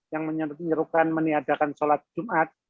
yang menyerukan meniadakan sholat jumat